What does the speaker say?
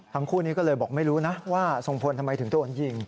คู่นี้ก็เลยบอกไม่รู้นะว่าทรงพลทำไมถึงโดนยิง